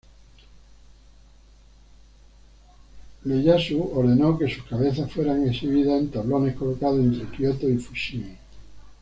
Ieyasu ordenó que sus cabezas fueran exhibidas en tablones colocados entre Kioto y Fushimi.